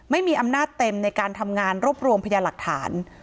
ไม่มีอำนาจเต็มในการทำงานรวบรวมพยาหลักฐาน